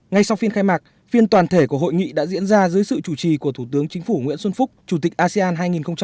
ngay sau phiên khai mạc phiên toàn thể của hội nghị đã diễn ra dưới sự chủ trì của thủ tướng chính phủ nguyễn xuân phúc chủ tịch asean hai nghìn hai mươi